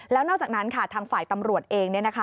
แล้วนอกจากนั้นค่ะทางฝ่ายตำรวจเอง